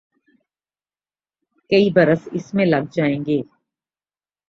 کئی برس اس میں لگ جائیں گے۔